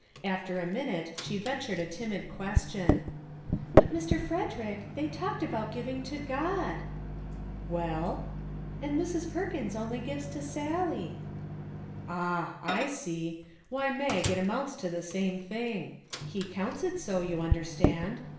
After a minute she ventured a timid question :" But Mr. Frederick, they talked about giving to God." "Well?" " And Mrs. Perkins only gives to Sally." 179 MAG AND MARGARET " Ah ! I see. Why, Mag, it amounts to the same thing. He counts it so, you understand.